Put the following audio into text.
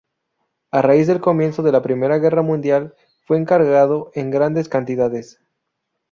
A raíz del comienzo de la I Guerra Mundial fue encargado en grandes cantidades.